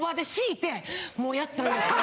もうやったんですよ。